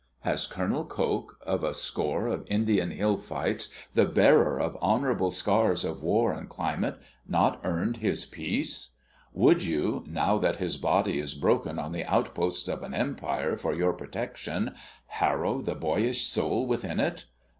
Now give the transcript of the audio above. Has Col. Coke, of a score of Indian hill fights, the bearer of honourable scars of war and climate, not earned his peace? Would you, now that his body is broken on the outposts of an Empire for your protection, harrow the boyish soul within it?